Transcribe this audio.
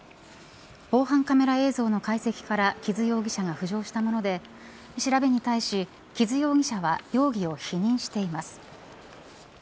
防犯カメラ映像の解析から木津容疑者が浮上したもので調べに対し木津容疑者は容疑を否認しています。